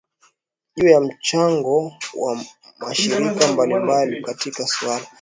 juu ya mchango wa mashirika mbalimbali katika suala